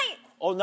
何？